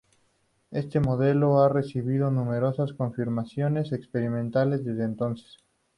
Este modelo ha recibido numerosas confirmaciones experimentales desde entonces.